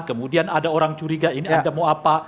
kemudian ada orang curiga ini anda mau apa